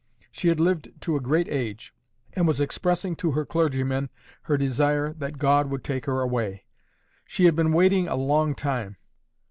She had lived to a great age, and was expressing to her clergyman her desire that God would take her away: she had been waiting a long time.